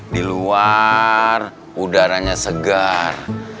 di luar udaranya segar